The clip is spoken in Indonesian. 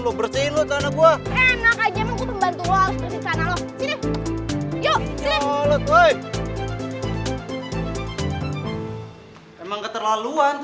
cepet terus kapan buru bangun